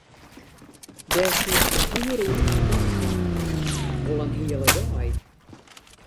Dêr soest in oere oer fertelle kinne, wol in hele dei.